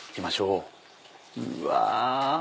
うわ！